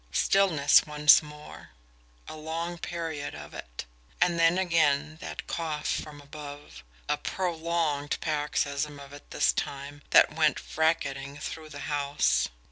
Stillness once more a long period of it. And then again that cough from above a prolonged paroxysm of it this time that went racketing through the house.